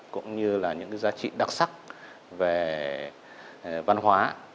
cũng như là những cái giá trị đặc sắc về văn hóa